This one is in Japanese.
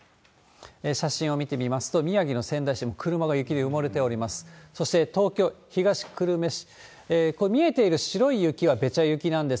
写真を見てみますと、宮城の仙台市、もう車が雪で埋もれております。